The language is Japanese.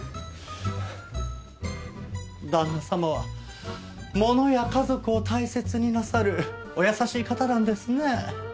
旦那様は物や家族を大切になさるお優しい方なんですねえ。